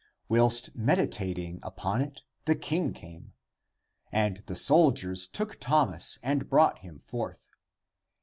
Whilst meditating upon it, the king came. And the soldiers took Thomas and brought him forth.